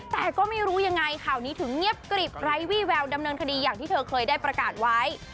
แต่ก็ไม่รู้ยังไงข่าวนี้ถึงเงียบกริบไร้วี่แววดำเนินคดีอย่างที่เธอเคยได้ประกาศไว้